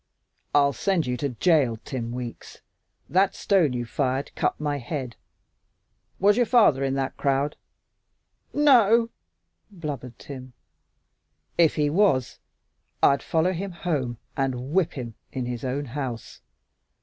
"I'll send you to jail, Tim Weeks. That stone you fired cut my head. Was your father in that crowd?" "No o o!" blubbered Tim. "If he was, I'd follow him home and whip him in his own house.